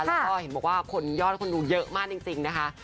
แล้วก็เห็นบอกว่าคนยอดคนดูเยอะมากจริงนะคะ